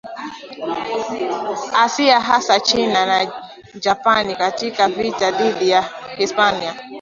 Asia hasa China na Japani Katika vita dhidi Hispania